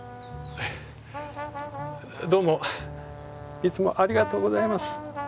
どうもいつもありがとうございます。